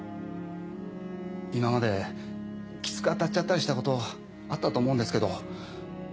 今までキツく当たっちゃったりしたことあったと思うんですけど。